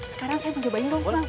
sekarang saya mau cobain dong